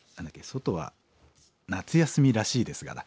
「ソトは夏休みらしいですが」だ。